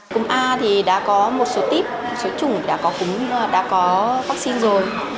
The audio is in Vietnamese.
cúm a thì đã có một số tiếp số chủng đã có vaccine rồi